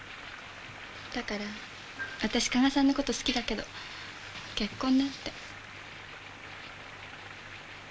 だから私加賀さんの事好きだけど結婚なんて。